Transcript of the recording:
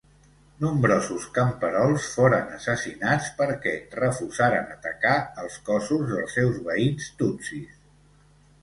Nombrosos camperols foren assassinats perquè refusaren atacar els cossos dels seus veïns tutsis.